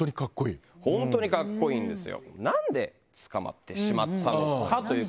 ホントにカッコいいんですよ。